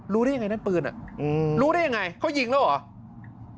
ได้ยังไงนั่นปืนรู้ได้ยังไงเขายิงแล้วเหรอ